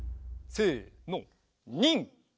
せの。